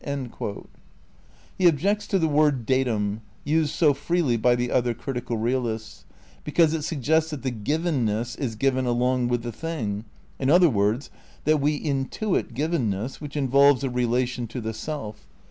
^ He objects to the word datum, used so freely by the other critical realists, because "it suggests that the givenness is given along with the thing," in other words, that we intuit givenness, which involves a rela tion to the self.